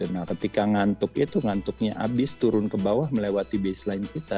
nah ketika ngantuk itu ngantuknya habis turun ke bawah melewati baseline kita